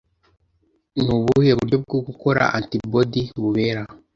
Ni ubuhe buryo bwo gukora antibody bubera